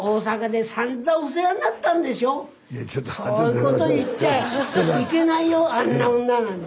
「そういうこと言っちゃいけないよあんな女なんて」。